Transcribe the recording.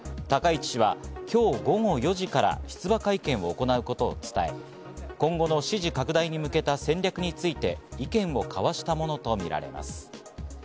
高市氏は今日午後４時から出馬会見を行うことを伝え、今後の支持拡大に向けた戦略について意見を交わしたものとみられます。